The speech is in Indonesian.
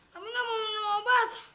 kami enggak mau minum obat